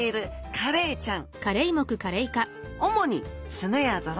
カレイちゃん！